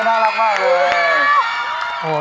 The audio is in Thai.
น่ารักมากเลย